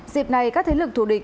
dịp này các thế lực thủ địch